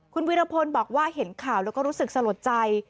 คุณวิรพลบอกว่าเห็นข่าวแล้วก็รู้สึกสลดใจ